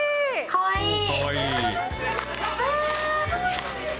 かわいい。